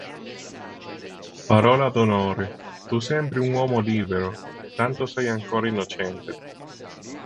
Parola d'onore, tu sembri un uomo libero, tanto sei ancora innocente.